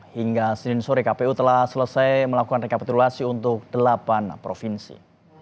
hingga senin sore kpu telah selesai melakukan rekapitulasi untuk delapan provinsi